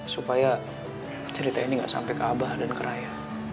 supaya cerita ini gak sampai ke abah dan ke raya